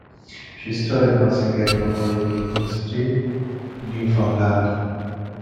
She studied nursing at Memorial University, Newfoundland.